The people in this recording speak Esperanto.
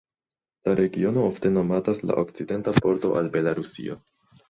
La regiono ofte nomatas la "okcidenta pordo" al Belarusio.